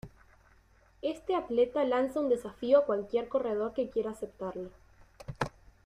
Este atleta lanza un desafío a cualquier corredor que quiera aceptarlo.